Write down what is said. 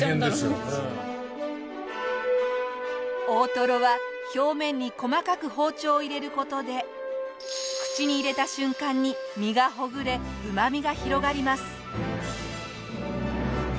大トロは表面に細かく包丁を入れる事で口に入れた瞬間に身がほぐれうまみが広がります。